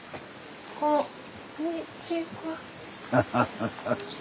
ハハハハ。